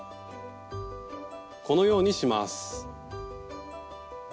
このようにします。